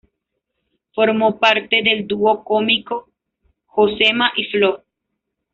Formó parte del dúo cómico "Josema y Flo".